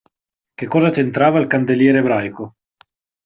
Che cosa c'entrava il candeliere ebraico?